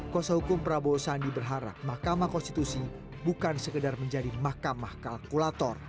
kuasa hukum prabowo sandi berharap mahkamah konstitusi bukan sekedar menjadi mahkamah kalkulator